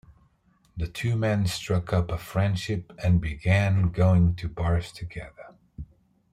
The two men struck up a friendship and began going to bars together.